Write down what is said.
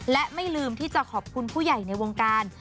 และไม่ลืมที่จะขอบคุณผู้ใหญ่ในวงการ